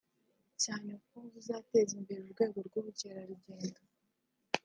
cyane ko buzateza imbere urwego rw’ubukerarugendo